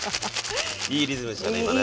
いいリズムでしたね今ね。